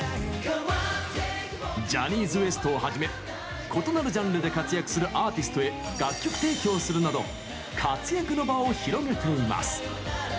ジャニーズＷＥＳＴをはじめ異なるジャンルで活躍するアーティストへ楽曲提供するなど活躍の場を広げています。